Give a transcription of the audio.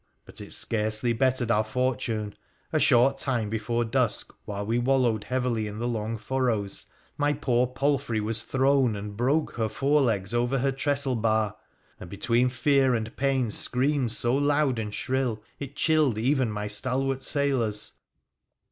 But it scarcely bettered our fortune. A short time before dusk, while we wallowed heavily in the long furrows, my poor palfrey was thrown and broke her fore legs over her trestle bar, and between fear and pain screamed so loud and shrill, it chilled even my stalwart sailors.